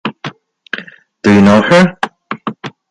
Do you know her?